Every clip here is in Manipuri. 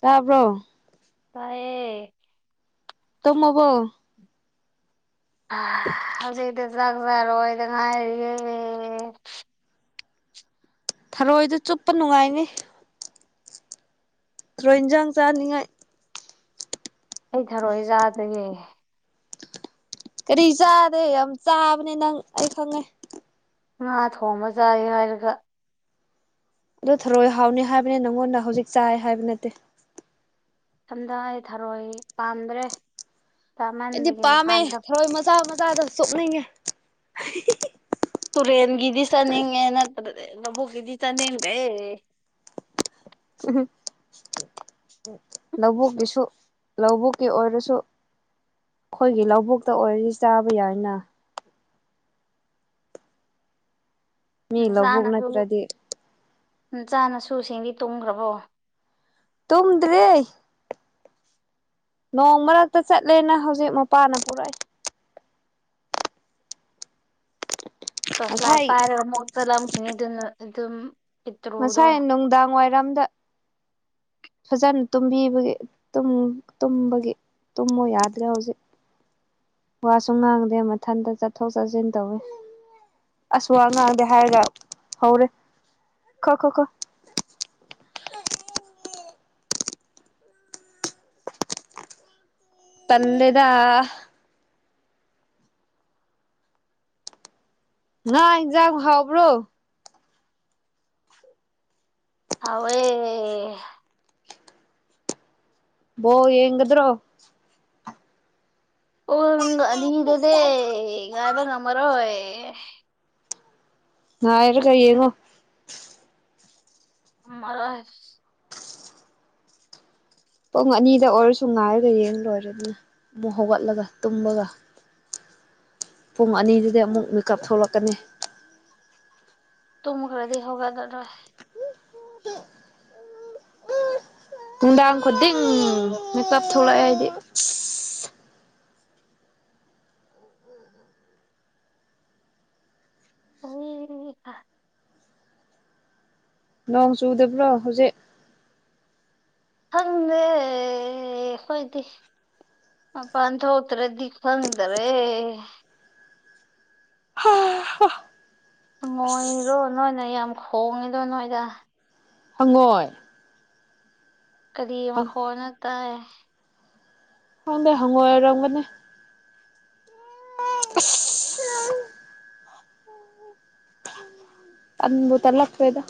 ꯇꯥꯕ꯭ꯔꯣ ꯇꯌꯦ ꯇꯃꯣꯕꯣ ꯍꯧꯖꯤꯛꯇꯤ ꯆꯥꯛ ꯆꯥꯔꯣꯏꯗ ꯉꯥꯏꯔꯤꯌꯦ ꯊꯔꯣꯏꯗ ꯆꯨꯞꯄ ꯅꯨꯡꯉꯥꯏꯅꯤ ꯊꯣꯏꯟꯖꯥꯡ ꯆꯥꯅꯤꯡꯉꯥꯏ ꯑꯩ ꯊꯥꯔꯣꯏꯏꯖꯥꯗꯒꯤ ꯀꯔꯤ ꯆꯥꯗꯦ ꯌꯥꯝ ꯆꯥꯕꯅꯦ ꯅꯪ ꯑꯩ ꯈꯪꯉꯦ ꯉꯥ ꯊꯣꯡꯕ ꯆꯥꯏ ꯍꯥꯏꯔꯒ ꯑꯗꯣ ꯊꯔꯣꯏ ꯍꯥꯎꯅꯤ ꯍꯥꯏꯕꯅꯦ ꯅꯪꯉꯣꯟꯗ ꯍꯧꯖꯤꯛ ꯆꯥꯏ ꯍꯥꯏꯕ ꯅꯠꯇꯦ ꯏꯊꯝꯗ ꯑꯩ ꯊꯥꯔꯣꯏ ꯄꯥꯝꯗ꯭ꯔꯦ ꯑꯩꯗꯤ ꯆꯥꯃꯟꯕꯒꯤ ꯄꯥꯝꯃꯦ ꯅꯍꯥꯟꯗ ꯊꯋꯥꯏ ꯃꯆꯥ ꯃꯆꯥꯗ ꯁꯣꯛꯅꯤꯡꯉꯦ ꯇꯨꯔꯦꯟꯒꯤ ꯗꯤ ꯆꯅꯤꯡꯉꯦ ꯅꯠꯇ꯭ꯔꯗꯤ ꯂꯕꯨꯛꯛꯒꯤꯗ ꯆꯥꯅꯤꯡꯗꯦ ꯎꯝ ꯂꯧꯕꯨꯛꯀꯤꯁꯨ ꯂꯧꯕꯨꯛꯀꯤ ꯑꯣꯏꯔꯁꯨ ꯑꯩꯈꯣꯏꯒꯤ ꯂꯧꯕꯨꯛꯇ ꯑꯣꯏꯗꯤ ꯆꯥꯕ ꯌꯥꯏꯅ ꯃꯤ ꯎ ꯂꯧꯕꯨꯛ ꯆꯥꯅꯁꯨ ꯅꯠꯇ꯭ꯔꯗꯤ ꯎ ꯆꯥꯅꯁꯨꯁꯤꯡꯗꯤ ꯇꯣꯡꯈ꯭ꯔꯕꯣ ꯇꯨꯝꯗ꯭ꯔꯦ ꯅꯣꯡ ꯃꯔꯛꯇ ꯆꯠꯂꯦꯅ ꯍꯧꯖꯤꯛ ꯃꯄꯥꯅ ꯄꯨꯔꯛꯏ ꯇꯁꯂꯥꯏ ꯉꯁꯥꯏ ꯄꯥꯏꯔꯒ ꯃꯨꯛ ꯆꯠꯂꯝꯈꯤꯅꯤ ꯑꯗꯨꯅ ꯑꯗꯨꯝ ꯄꯤꯇ꯭ꯔꯨꯗꯣ ꯉꯁꯥꯏ ꯅꯨꯡꯗꯥꯡ ꯋꯥꯏꯔꯝꯗ ꯐꯖꯅ ꯇꯨꯝꯕꯤꯕꯒꯤ ꯇꯨꯝꯕꯒꯤ ꯇꯨꯝꯃꯨ ꯌꯥꯗ꯭ꯔꯦ ꯍꯧꯖꯤꯛ ꯋꯥꯁꯨ ꯉꯥꯡꯗꯦ ꯃꯊꯟꯇ ꯆꯠꯊꯣꯛ ꯆꯠꯁꯤꯟ ꯇꯧꯋꯤ ꯑꯁ ꯑ ꯉꯥꯡꯒꯦ ꯍꯥꯏꯔꯒ ꯍꯧꯔꯦ ꯈꯣ ꯈꯣ ꯈꯣ ꯄꯜꯂꯦꯗ ꯅ ꯏꯖꯝ ꯍꯕ꯭ꯔꯣ ꯑꯥꯎꯦ ꯣ ꯌꯦꯡꯗ꯭ꯔꯣ ꯑꯣ ꯅꯪꯒꯤ ꯑꯅꯤꯗꯨꯗꯤ ꯉꯥꯏꯕ ꯉꯝꯃꯔꯣꯏ ꯉꯥꯏꯔꯒ ꯌꯦꯡꯉꯣ ꯑꯁ ꯄꯨꯡ ꯑꯅꯤꯗ ꯑꯣꯏꯔꯁꯨ ꯉꯥꯏꯔꯒ ꯌꯦꯡ ꯂꯣꯏꯔꯗꯅ ꯑꯃꯨꯛ ꯍꯧꯒꯠꯂꯒ ꯇꯨꯝꯃꯒ ꯄꯨꯡ ꯑꯅꯤꯗꯨꯗ ꯑꯃꯨꯛ ꯃꯤꯀꯞ ꯊꯣꯛꯂꯛꯀꯅꯤ ꯇꯨꯝꯒ꯭ꯔꯗꯤ ꯍꯒꯠꯂꯔꯣꯏ ꯅꯨꯡꯗꯥꯡ ꯈꯨꯗꯤꯡ ꯃꯦꯀꯞ ꯊꯣꯛꯂꯛꯑꯦ ꯍꯥꯏꯗꯤ ꯎꯝ ꯅꯣꯡ ꯆꯨꯗꯕ꯭ꯔꯣ ꯍꯧꯖꯤꯛ ꯈꯪꯗꯦ ꯑꯈꯣꯏꯗꯤ ꯃꯄꯥꯟ ꯊꯣꯛꯇ꯭ꯔꯗꯤ ꯈꯪꯗ꯭ꯔꯦ ꯍꯥ ꯍꯥ ꯍꯪꯉꯣꯏꯔꯣ ꯅꯣꯏꯗ ꯌꯥꯝ ꯈꯣꯡꯉꯤꯗꯣ ꯅꯣꯏꯗ ꯍꯪꯉꯣꯏ ꯀꯔꯤ ꯃꯈꯣꯟꯅꯣ ꯇꯥꯏ ꯈꯪꯗꯦ ꯍꯪꯉꯣꯏ ꯑꯣꯏꯔꯝꯒꯅꯤ ꯑꯁ ꯇꯟꯕꯨꯨ ꯇꯜꯂꯛꯈ꯭ꯔꯦꯗ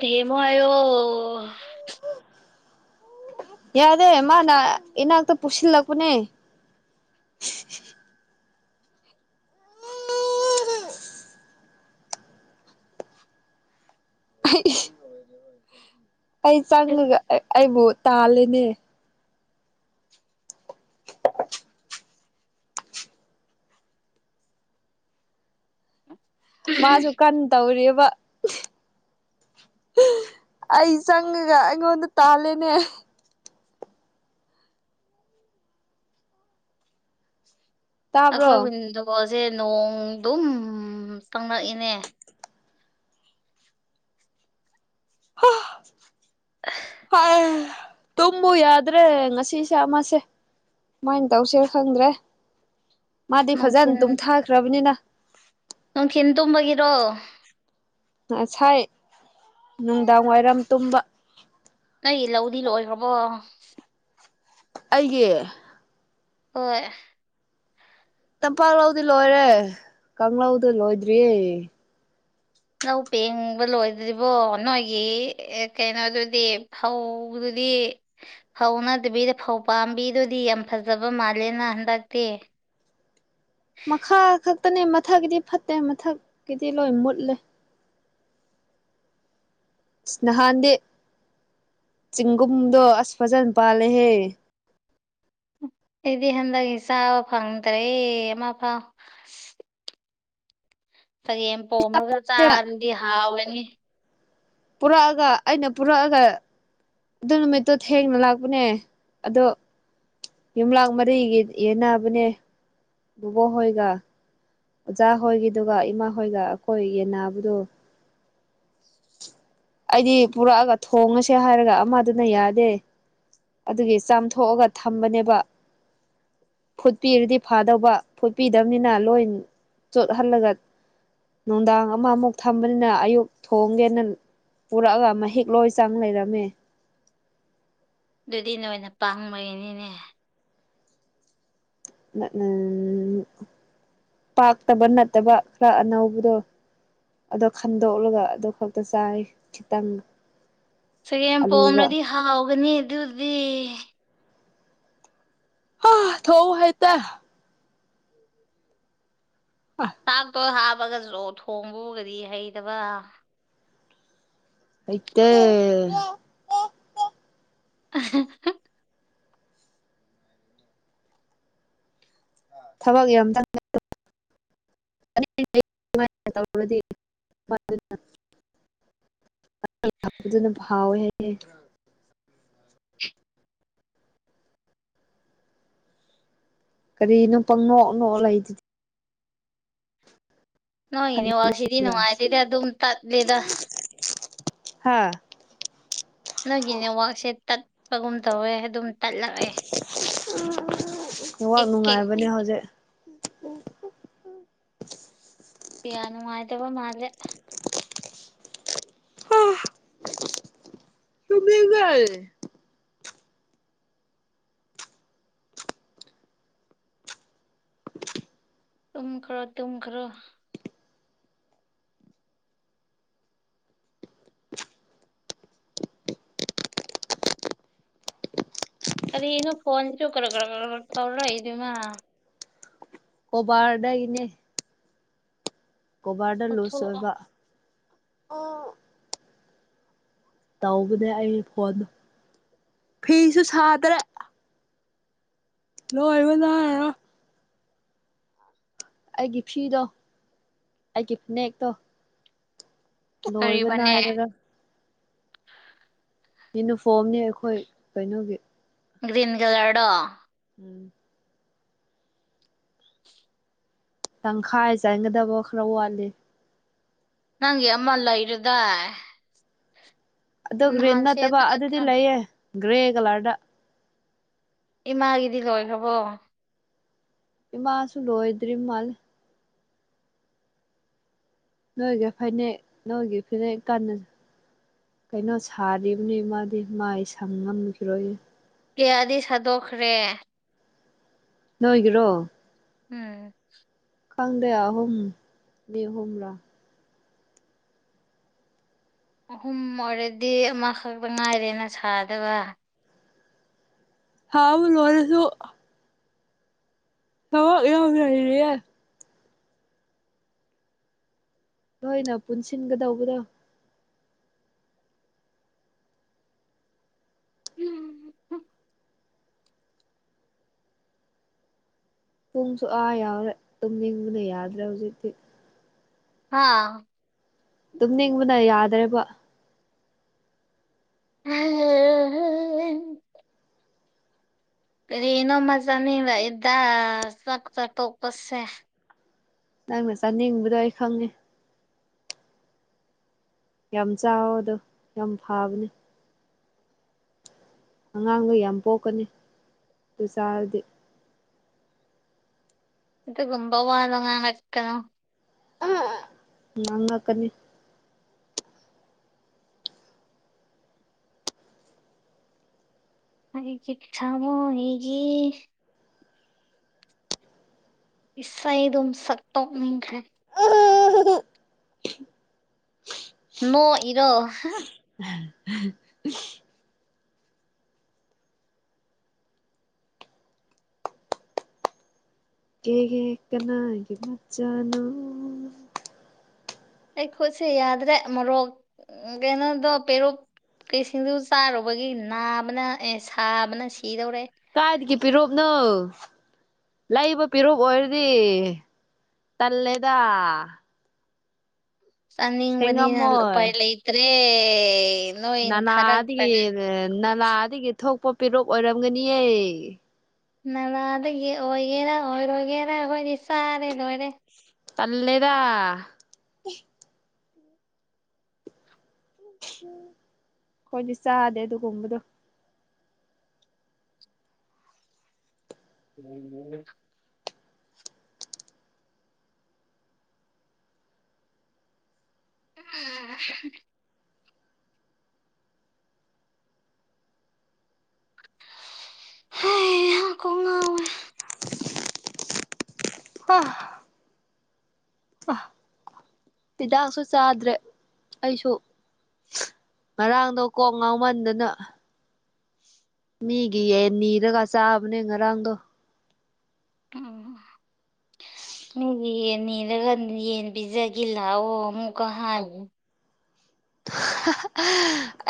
ꯊꯦꯝꯃꯣ ꯍꯥꯏꯌꯣ ꯌꯥꯗꯦ ꯃꯥꯅ ꯏꯅꯥꯛꯇ ꯄꯨꯁꯤꯜꯂꯛꯄꯅꯦ ꯑꯩ ꯆꯪꯉꯒ ꯑꯩꯕꯨ ꯇꯥꯂꯦꯅꯦ ꯃꯥꯁꯨ ꯀꯟ ꯇꯧꯔꯤꯕ ꯑꯩ ꯆꯪꯉꯒ ꯑꯩꯉꯣꯟꯗ ꯇꯥꯜꯂꯦꯅꯦ ꯇꯥꯕ꯭ꯔꯣ ꯑꯩꯈꯣꯏ ꯋꯤꯟꯗꯣꯁꯦ ꯅꯣꯡ ꯑꯗꯨꯝ ꯆꯪꯉꯛꯏꯅꯦ ꯍ ꯍ ꯇꯨꯝꯃꯨ ꯌꯥꯗ꯭ꯔꯦ ꯉꯁꯤꯁꯦ ꯑꯃꯁꯦ ꯀꯃꯥꯏꯅ ꯇꯧꯁꯤꯔ ꯈꯪꯗ꯭ꯔꯦ ꯃꯥꯗꯤ ꯅꯨꯡꯊꯤꯟ ꯐꯖꯅ ꯇꯨꯝꯊꯥꯈ꯭ꯔꯕꯅꯤꯅ ꯅꯨꯡꯊꯤꯟ ꯇꯨꯝꯕꯒꯤꯔꯣ ꯉꯁꯥꯏ ꯅꯨꯡꯗꯥꯡ ꯋꯥꯏꯔꯝ ꯇꯨꯝꯕ ꯅꯪ ꯂꯧꯗꯤ ꯂꯣꯏꯈ꯭ꯔꯕꯣ ꯑꯩꯒꯤ ꯍꯣꯏ ꯇꯝꯄꯥꯛꯂꯧꯗꯤ ꯂꯣꯏꯔꯦ ꯀꯥꯡꯂꯧꯗꯤ ꯂꯣꯏꯗ꯭ꯔꯤꯌꯦ ꯂꯧ ꯄꯦꯡꯕ ꯂꯣꯏꯗ꯭ꯔꯤꯕꯣ ꯅꯣꯏꯒꯤ ꯀꯩꯅꯣꯗꯨꯗꯤ ꯐꯧꯗꯨꯗꯤ ꯐꯧ ꯅꯠꯇꯕꯤꯗ ꯐꯧ ꯄꯥꯝꯕꯤꯗꯨꯗꯤ ꯌꯥꯝ ꯐꯖꯕ ꯃꯥꯜꯂꯦꯅ ꯍꯟꯗꯛꯇꯤ ꯃꯈꯥ ꯈꯛꯇꯅꯦ ꯃꯊꯛꯀꯤꯗꯤ ꯐꯠꯇꯦ ꯃꯊꯛꯀꯤꯗꯤ ꯂꯣꯏ ꯃꯨꯠꯂꯦ ꯅꯍꯥꯟꯗꯤ ꯆꯤꯡꯒꯨꯝꯗꯣ ꯑꯁ ꯐꯖꯅ ꯄꯥꯜꯂꯦꯍꯦ ꯑꯩꯗꯤ ꯍꯟꯗꯛ ꯆꯥꯕ ꯐꯪꯗ꯭ꯔꯦ ꯑꯃ ꯐꯥꯎ ꯆꯒꯦꯝ ꯄꯣꯝꯂꯒ ꯆꯥꯔꯗꯤ ꯍꯥꯎꯒꯅꯤ ꯄꯨꯔꯛꯑꯒ ꯑꯩꯅ ꯄꯨꯔꯛꯑꯒ ꯑꯗꯨ ꯅꯨꯃꯤꯠꯇꯣ ꯊꯦꯡꯅ ꯂꯥꯛꯄꯅꯦ ꯑꯗꯣ ꯌꯨꯝꯂꯥꯛ ꯃꯔꯤꯒꯤ ꯌꯦꯅꯥꯕꯅꯦ ꯕꯨꯕꯣꯛꯍꯣꯏꯒ ꯑꯣꯖꯥ ꯍꯣꯏꯒꯤꯗꯨꯒ ꯏꯃꯥ ꯍꯣꯏꯒ ꯑꯩꯈꯣꯏ ꯌꯦꯟꯅꯕꯗꯨ ꯑꯩꯗꯤ ꯄꯨꯔꯛꯑꯒ ꯊꯣꯡꯉꯁꯦ ꯍꯥꯏꯔꯒ ꯑꯃꯗꯨꯅ ꯌꯥꯗꯦ ꯑꯗꯨꯒꯤ ꯆꯥꯝꯊꯣꯛꯑꯒ ꯊꯝꯕꯅꯦꯕ ꯐꯨꯠꯄꯤꯔꯗꯤ ꯐꯥꯗꯧꯕ ꯐꯨꯠꯄꯤꯗꯕꯅꯤꯅ ꯂꯣꯏ ꯆꯣꯠꯍꯜꯂꯒ ꯅꯨꯡꯗꯥꯡ ꯑꯃꯃꯨꯛ ꯊꯝꯕꯅꯤꯅ ꯑꯌꯨꯛ ꯊꯣꯡꯒꯦꯅ ꯄꯨꯔꯛꯑꯒ ꯃꯍꯤꯛ ꯂꯣꯏ ꯆꯪ ꯂꯩꯔꯝꯃꯦ ꯑꯗꯨꯗꯤ ꯅꯣꯏꯅ ꯄꯪꯕꯒꯤꯅꯤꯅꯦ ꯎꯝ ꯄꯥꯛꯇꯕ ꯅꯠꯇꯕ ꯈꯔ ꯑꯅꯧꯕꯗꯣ ꯑꯗꯣ ꯈꯟꯗꯣꯛꯂꯒ ꯑꯗꯨ ꯈꯛꯇ ꯆꯥꯏ ꯈꯤꯇꯪ ꯑꯂꯨꯒ ꯆꯒꯦꯝꯄꯣꯝꯔꯗꯤ ꯍꯥꯎꯒꯅꯤ ꯑꯗꯨꯗꯤ ꯍ ꯊꯧ ꯍꯩꯇꯦ ꯑ ꯆꯥꯛꯇꯣ ꯍꯥꯞꯄꯒꯁꯨ ꯊꯣꯡꯕꯕꯨ ꯀꯔꯤ ꯍꯩꯇꯕ ꯍꯩꯇꯦ [unintelligible] ꯊꯕꯛ ꯌꯥꯝ [unintelligible] [unintelligible] ꯑꯗꯨꯅ ꯍꯥꯎꯋꯦ ꯍꯥꯏꯌꯦ ꯀꯔꯤꯅꯣ ꯄꯪ ꯅꯣꯛ ꯅꯣꯛ ꯂꯩꯗꯨꯗꯤ ꯅꯣꯏ ꯈꯟꯕ꯭ꯔꯥ ꯅꯦꯠꯋꯥꯛ ꯁꯤꯗꯤ ꯅꯨꯡꯉꯥꯏꯇꯦꯗ ꯑꯗꯨꯝ ꯇꯠꯂꯦꯗ ꯍꯥꯥ ꯅꯣꯏꯒꯤ ꯅꯦꯠꯋꯥꯛꯁꯦ ꯇꯠꯄꯒꯨꯝ ꯇꯧꯋꯦ ꯑꯗꯨꯝ ꯇꯠꯂꯛꯑꯦ ꯅꯦꯠꯋꯥꯛ ꯑꯦꯛ ꯀꯦꯛ ꯅꯨꯡꯉꯥꯏꯕꯅꯦ ꯑꯦꯛ ꯍꯧ ꯀꯌꯥ ꯅꯨꯡꯥꯏꯇꯕ ꯃꯥꯜꯂꯦ ꯑꯥ ꯇꯨꯝꯅꯤꯡꯑꯦ ꯇꯨꯝꯈ꯭ꯔꯣ ꯇꯨꯝꯈ꯭ꯔꯣ ꯑꯔꯤꯅꯣ ꯐꯣꯟꯁꯨ ꯀꯔꯒ ꯀꯔꯛ ꯇꯧꯔꯛ ꯏꯗꯨꯅ ꯀꯣꯕꯥꯔꯗꯒꯤꯅꯦ ꯀꯣꯚꯔꯗꯣ ꯂꯨꯁ ꯂꯧꯊꯣꯛꯑꯣ ꯑꯣꯏꯕ ꯇꯧꯕꯅꯦ ꯑꯩ ꯐꯣꯟꯗꯣ ꯐꯤꯁꯨ ꯁꯥꯗ꯭ꯔꯦ ꯂꯣꯏꯕ ꯅꯏꯔꯣꯏ ꯑꯩꯒꯤ ꯐꯤꯗꯣ ꯑꯩꯒꯤ ꯐꯅꯦꯛꯇꯣ ꯂꯣꯏꯕ ꯀꯔꯤꯕꯅꯦ ꯅꯥꯏꯔꯔꯣꯏ ꯌꯨꯅꯤꯐꯣꯔꯝꯅꯦ ꯑꯩꯈꯣꯏ ꯀꯩꯅꯣꯒꯤ ꯒ꯭ꯔꯤꯟ ꯀꯂꯔꯗꯣ ꯎꯝ ꯇꯪꯈꯥꯏ ꯆꯥꯟꯒꯗꯕ ꯈꯔ ꯋꯥꯠꯂꯤ ꯅꯪ ꯒꯤ ꯑꯃ ꯂꯩꯔꯗꯥꯏ ꯑꯗꯨ ꯒ꯭ꯔꯤꯟ ꯅꯍꯥꯟ ꯅꯠꯇꯕ ꯁꯦꯠꯄ ꯑꯗꯨꯗꯤ ꯅꯠꯇ꯭ꯔ ꯂꯩꯌꯦ ꯒ꯭ꯔꯦ ꯀꯂꯔꯗ ꯏꯃꯥꯒꯤꯗꯤ ꯂꯣꯏꯈ꯭ꯔꯕꯣ ꯏꯃꯁꯨ ꯂꯣꯏꯗ꯭ꯔꯤ ꯃꯥꯜꯂꯦ ꯅꯣꯏꯒꯤ ꯐꯅꯦꯛ ꯅꯣꯏꯒꯤ ꯐꯅꯦꯛ ꯀꯥꯟꯅ ꯀꯩꯅꯣ ꯁꯥꯔꯤꯕꯅꯤ ꯃꯥꯗꯤ ꯃꯥꯏꯑ ꯁꯪ ꯉꯝꯈꯤꯔꯣꯏ ꯀꯌꯥꯗꯤ ꯁꯥꯗꯣꯛꯈ꯭ꯔꯦ ꯅꯣꯏꯒꯤꯔꯣ ꯎꯝ ꯈꯪꯗꯦ ꯑꯍꯨꯝ ꯃꯤ ꯑꯍꯨꯝꯔꯥ ꯑꯍꯨꯝ ꯑꯣꯏꯔꯗꯤ ꯑꯃꯈꯛꯇ ꯉꯥꯏꯔꯦꯅ ꯁꯥꯗꯕ ꯁꯥꯕꯨ ꯂꯣꯢꯔꯁꯨ [unintelligible] ꯅꯣꯏꯅ ꯄꯨꯟꯁꯤꯟꯒꯗꯧꯕꯗꯣ ꯄꯨꯡꯁꯨ ꯑꯥ ꯌꯥꯎꯔꯦ ꯇꯨꯝꯅꯤꯡꯕꯅ ꯌꯥꯗ꯭ꯔꯦ ꯍꯧꯖꯤꯛꯇꯤ ꯍꯥꯥ ꯇꯨꯝꯅꯤꯡꯕꯅ ꯌꯥꯗꯔꯦꯕ [unintelligible] ꯀꯔꯤ ꯅꯣꯃ ꯆꯥꯅꯤꯡꯂꯛꯑꯦꯗ ꯆꯥꯛ ꯆꯥ ꯇꯣꯛꯄꯁꯦ ꯅꯪꯅ ꯆꯥꯅꯤꯡꯕꯗꯣ ꯑꯩ ꯈꯪꯉꯦ ꯌꯥꯝ ꯆꯥꯎꯋꯣ ꯗꯣ ꯌꯥꯝ ꯐꯕꯅꯦ ꯑꯉꯥꯡꯒ ꯌꯥꯝ ꯄꯣꯛꯀꯅꯤ ꯗꯨ ꯆꯥꯔꯗꯤ ꯑꯗꯨꯒꯨꯝꯕ ꯋꯥꯗꯣ ꯉꯥꯉꯛꯀꯅꯣ ꯑꯍꯥ ꯉꯥꯡꯉꯛꯀꯅꯤ ꯑꯩꯒꯤ ꯊꯃꯣꯢꯒꯤ ꯏꯁꯩꯗꯨꯝ ꯁꯛꯇꯣꯛꯅꯤꯡꯈ꯭ꯔꯦ ꯅꯣꯛꯏꯔꯣ ꯍꯥꯍꯥ [unintelligible] ꯀꯦꯒꯦ ꯀꯅꯥꯒꯤ ꯃꯆꯥꯅꯣ ꯑꯩ ꯈꯨꯠꯁꯦ ꯌꯥꯗ꯭ꯔꯦ ꯃꯣꯔꯣꯛ ꯀꯩꯅꯣꯗꯣ ꯄꯦꯔꯨꯛ ꯀꯤꯁꯤꯡꯖꯨ ꯆꯥꯔꯨꯕꯒꯤ ꯅꯥꯕꯅ ꯑꯦ ꯁꯥꯕꯅ ꯁꯤꯗꯧꯔꯦ ꯀꯥꯏꯗꯒꯤ ꯄꯤꯔꯨꯛꯅꯣ ꯂꯩꯕ ꯄꯤꯔꯨꯞ ꯑꯣꯏꯔꯗꯤ ꯇꯜꯂꯦꯗ ꯆꯅꯤꯡꯕꯅꯤꯅ ꯁꯦꯡꯉꯝꯃꯣꯏ ꯎꯄꯥꯢ ꯂꯩꯇ꯭ꯔꯦ ꯅꯣꯏ ꯅꯅꯥꯗꯒꯤ ꯊꯥꯔꯛꯇ꯭ꯔꯒ ꯅꯂꯥꯗꯒꯤ ꯊꯣꯛꯄ ꯄꯦꯔꯨꯞ ꯑꯣꯏꯔꯝꯒꯅꯤꯌꯦ ꯅꯂꯥꯗꯒꯤ ꯑꯣꯏꯒꯦꯔꯥ ꯑꯣꯏꯔꯣꯏꯒꯦꯔꯥ ꯑꯈꯣꯏꯗꯤ ꯆꯥꯔꯦ ꯂꯣꯏꯔꯦ ꯇꯜꯂꯦꯗꯥ ꯈꯣꯏꯗꯤ ꯆꯥꯗꯦ ꯑꯗꯨꯒꯨꯝꯕꯗꯣ [inaudible] [unintelligible] ꯍꯩ ꯍꯥ ꯀꯣꯛ ꯉꯥꯎꯋꯦ [unintelligible] ꯑ ꯍꯤꯗꯥꯛꯁꯨ ꯆꯥꯗ꯭ꯔꯦ ꯑꯩꯁꯨ ꯉꯥꯔꯥꯡꯗꯣ ꯀꯣꯛ ꯉꯥꯎꯃꯟꯗꯅ ꯃꯤꯒꯤ ꯌꯦꯟ ꯅꯤꯔꯒ ꯆꯥꯕꯅꯦ ꯉꯔꯥꯡꯗꯣ ꯃꯤꯒꯤ ꯌꯦꯟ ꯅꯤꯔꯒ [unintelligible] ꯌꯦꯟ ꯄꯤꯖꯒꯦ ꯂꯥꯋꯣ ꯑꯃꯨꯛꯀ ꯍꯥꯢ ꯍꯥ ꯍꯥ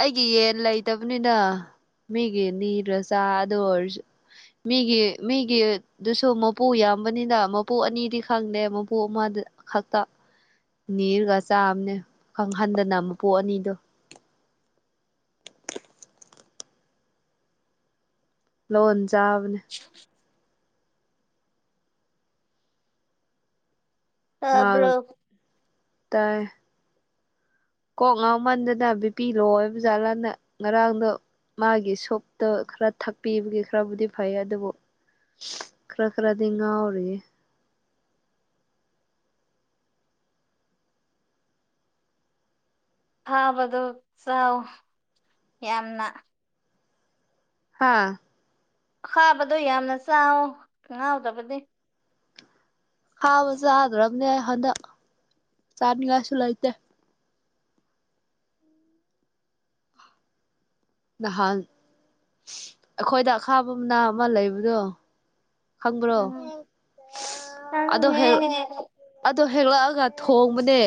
ꯑꯩꯒꯤ ꯌꯦꯟ ꯂꯩꯇꯕꯅꯤꯅ ꯃꯤꯒꯤ ꯅꯤꯗ꯭ꯔꯥ ꯆꯥꯗꯨ ꯑꯣꯢꯔꯁꯨ ꯃꯤꯒꯤ ꯃꯤꯒꯤ ꯗꯨꯁꯨ ꯃꯄꯨ ꯌꯥꯝꯕꯅꯤꯅ ꯃꯄꯨ ꯑꯅꯤꯗꯤ ꯈꯪꯗꯦ ꯃꯄꯨ ꯑꯃꯗ ꯈꯛꯇ ꯅꯤꯔꯒ ꯆꯥꯝꯅꯦ ꯈꯪꯍꯟꯗꯅ ꯃꯄꯨ ꯑꯅꯤꯗꯣ ꯂꯣꯟ ꯆꯥꯕꯅꯦ ꯑ [unintelligible] ꯃꯥ ꯇꯥꯕ꯭ꯔꯣ ꯇꯥꯏ ꯀꯣꯛ ꯉꯥꯎꯃꯟꯗꯅ ꯕꯤꯄꯤ ꯂꯣ ꯑꯣꯢꯕꯖꯥꯠꯂꯅ ꯉꯔꯥꯡꯗꯣ ꯃꯥꯒꯤ ꯁꯣꯞꯇꯣ ꯈꯔ ꯊꯛꯄꯤꯕꯒꯤ ꯈꯔꯕꯨꯗꯤ ꯐꯩ ꯑꯗꯨꯕꯨ ꯈꯔ ꯈꯔꯗꯤ ꯉꯥꯎꯔꯤꯌꯦ ꯈꯥꯕꯗꯨ ꯆꯥꯎ ꯌꯥꯝꯅ ꯍꯥꯥ ꯑꯈꯥꯕꯗꯣ ꯌꯥꯝꯅ ꯆꯥꯎꯋꯣ ꯉꯥꯎꯗꯕꯅꯤ ꯈꯥꯕ ꯆꯥꯗ꯭ꯔꯕꯅꯦ ꯍꯟꯗꯛ ꯆꯥꯅꯤꯡꯉꯥꯏꯁꯨ ꯂꯩꯇꯦ ꯅꯍꯥꯟ ꯑꯩꯈꯣꯏꯗ ꯑꯈꯥꯕ ꯃꯅꯥ ꯑꯃ ꯂꯩꯕꯗꯣ ꯈꯪꯕ꯭ꯔꯣ ꯎꯝ ꯑꯗꯣ ꯈꯪꯉꯦ ꯍꯦꯜ ꯑꯗꯣ ꯍꯦꯛꯂꯛꯑꯒ ꯊꯣꯡꯕꯅꯦ